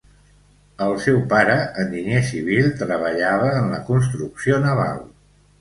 El seu pare, enginyer civil, treballava en la construcció naval.